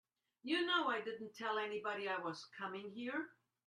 You know I didn't tell anybody I was coming here.